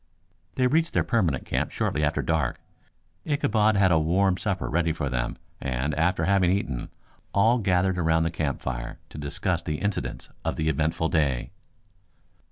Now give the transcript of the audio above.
They reached their permanent camp shortly after dark. Ichabod had a warm supper ready for them, and after having eaten, all gathered about the campfire to discuss the incidents of the eventful day.